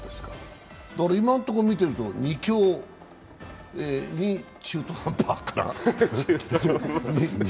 今のところ見ていると２強、２中途半端かな。